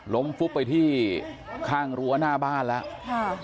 ฟุบไปที่ข้างรั้วหน้าบ้านแล้ว